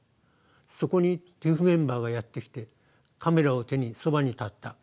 そこにＴＩＰＨメンバーがやって来てカメラを手にそばに立った。